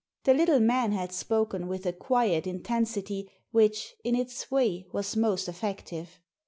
The little man had spoken with a quiet intensity which, in its way, was most effective.